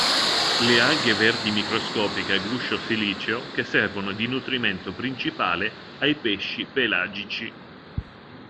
Le alghe verdi microscopiche a guscio siliceo che servono di nutrimento principale ai pesci pelagici.